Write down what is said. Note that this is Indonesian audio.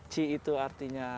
ci itu artinya